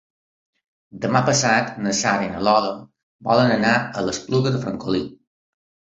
Demà passat na Sara i na Lola volen anar a l'Espluga de Francolí.